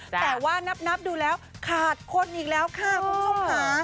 แต่ว่านับดูแล้วขาดคนอีกแล้วค่ะคุณผู้ชมค่ะ